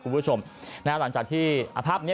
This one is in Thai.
คุณผู้ชมหลังจากที่ภาพนี้